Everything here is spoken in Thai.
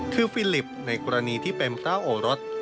คือฟิลิปในกรณีที่เป็นพระโอรส